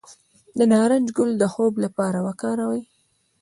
د نارنج ګل د خوب لپاره وکاروئ